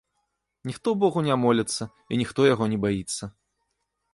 Ніхто богу не моліцца і ніхто яго не баіцца.